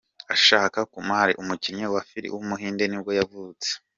Akshay Kumar, umukinnyi wa film w’umuhinde ni bwo yavutse.